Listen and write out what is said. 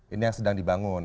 ini yang sedang dibangun